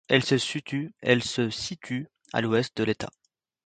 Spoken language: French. Elle se situe à l'ouest de l'État.